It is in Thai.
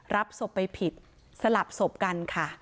รับศพไปผิดสลับศพกันค่ะ